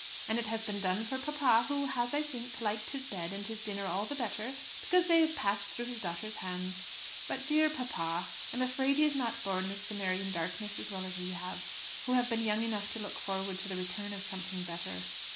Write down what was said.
And it has been done for papa, who has, I think, liked his bed and his dinner all the better, because they have passed through his daughters' hands. But, dear papa! I'm afraid he has not borne the Cimmerian darkness as well as have we, who have been young enough to look forward to the return of something better.